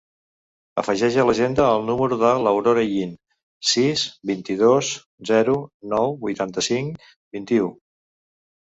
Afegeix a l'agenda el número de l'Aurora Yin: sis, vint-i-dos, zero, nou, vuitanta-cinc, vint-i-u.